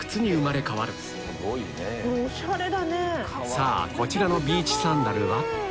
さぁこちらのビーチサンダルは？